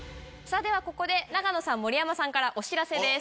ここで永野さん森山さんからお知らせです。